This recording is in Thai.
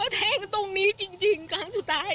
แทงตรงนี้จริงครั้งสุดท้าย